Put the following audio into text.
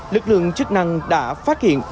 lực lượng chức năng đã phát hiện